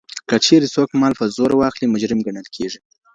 که چېرې څوک مال په زور واخلي، مجرم ګڼل کيږي.